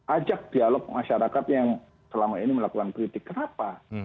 ajak dialog masyarakat yang selama ini melakukan kritik kenapa